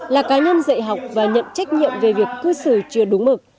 là cá nhân dạy học và nhận trách nhiệm về việc cư xử chưa đúng mực